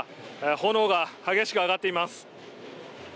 炎が激しく上がっています。